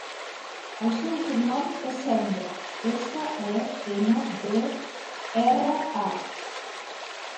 El seu cognom és Sendra: essa, e, ena, de, erra, a.